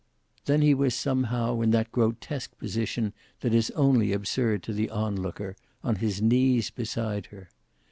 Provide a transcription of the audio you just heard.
Then he was, somehow, in that grotesque position that is only absurd to the on looker, on his knees beside her.